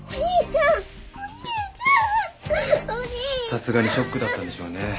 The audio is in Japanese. さすがにショックだったんでしょうね。